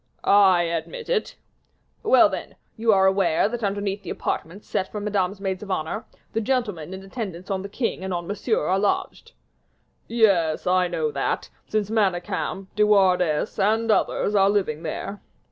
"I admit it." "Well, then, you are aware that underneath the apartments set for Madame's maids of honor, the gentlemen in attendance on the king and on Monsieur are lodged." "Yes, I know that, since Manicamp, De Wardes, and others are living there."